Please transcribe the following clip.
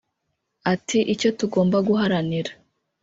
Ati “Icyo tugomba guharanira